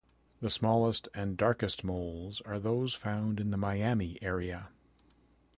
The smallest and darkest moles are those found in the Miami area.